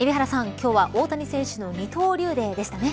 今日は大谷選手の二刀流デーでしたね。